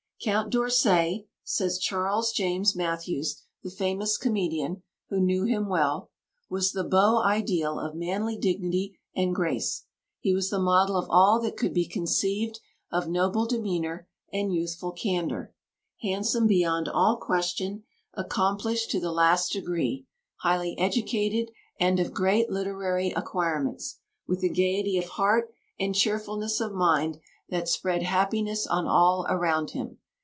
"Count d'Orsay," says Charles James Mathews, the famous comedian, who knew him well, "was the beau ideal of manly dignity and grace. He was the model of all that could be conceived of noble demeanour and youthful candour; handsome beyond all question; accomplished to the last degree; highly educated, and of great literary acquirements; with a gaiety of heart and cheerfulness of mind that spread happiness on all around him.